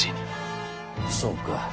そうか。